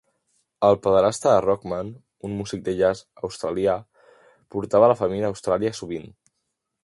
El padrastre de Rockman, un músic de jazz australià, portava a la família a Austràlia sovint.